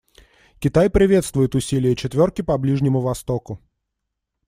Китай приветствует усилия «четверки» по Ближнему Востоку.